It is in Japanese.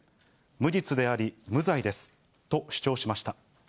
無実であり、無罪ですと主張しました。